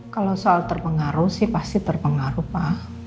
kalau soal terpengaruh sih pasti terpengaruh pak